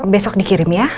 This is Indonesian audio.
besok dikirim ya